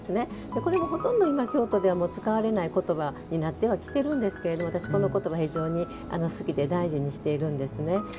これもほとんど今京都では使われない言葉になってきてるんですが、この言葉私は非常に好きで大事にしているんですね。